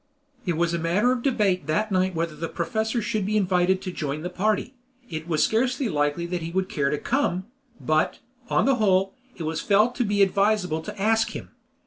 It was a matter of debate that night whether the professor should be invited to join the party; it was scarcely likely that he would care to come, but, on the whole, it was felt to be advisable to ask him.